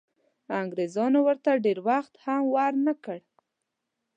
انګریزانو ورته ډېر وخت هم ورنه کړ.